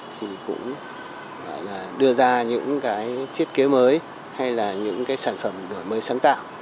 thì cũng đưa ra những thiết kế mới hay là những sản phẩm mới sáng tạo